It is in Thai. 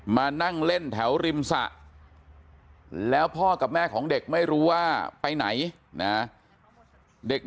มานั่งเล่นแถวริมสระแล้วพ่อกับแม่ของเด็กไม่รู้ว่าไปไหนนะเด็ก